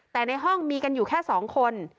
แต่ในห้องมีกันอยู่แค่๒คน